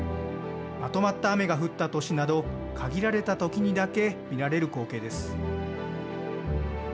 まとまった雨が降った年など限られたときにだけ見られる光景です。